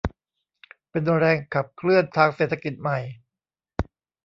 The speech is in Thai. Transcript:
เป็นแรงขับเคลื่อนทางเศรษฐกิจใหม่